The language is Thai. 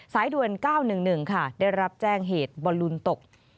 สายด่วน๙๑๑ค่ะได้รับแจ้งเหตุบอลลูนตก